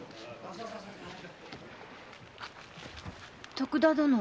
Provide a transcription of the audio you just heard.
徳田殿